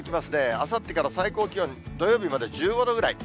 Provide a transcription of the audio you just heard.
あさってから最高気温、土曜日まで１５度ぐらい。